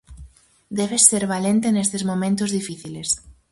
Debes ser valente nestes momentos difíciles.